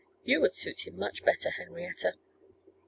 You would suit him much better, Henrietta.